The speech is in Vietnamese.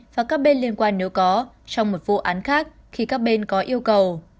và các bên liên quan nếu có trong một vụ án khác khi các bên có yêu cầu